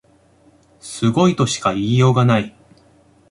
すごいとしか言いようがない